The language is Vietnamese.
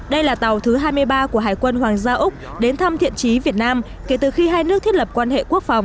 đây là tàu thứ hai mươi ba của hải quân hoàng gia úc đến thăm thiện trí việt nam kể từ khi hai nước thiết lập quan hệ quốc phòng